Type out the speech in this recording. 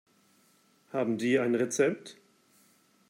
Haben Sie ein Rezept?